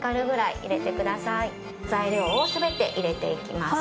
材料を全て入れていきます。